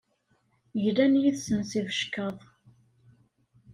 Glan yid-sen s ibeckaḍ.